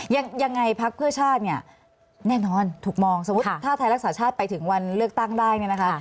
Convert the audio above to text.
ยังไงพักเพื่อชาติเนี่ยแน่นอนถูกมองสมมุติถ้าไทยรักษาชาติไปถึงวันเลือกตั้งได้เนี่ยนะคะ